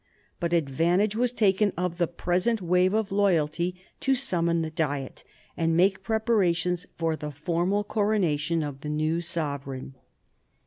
But advantage was taken of the present wave of loyalty to summon the Diet, and make preparation for the formal coronation of the new sovereign.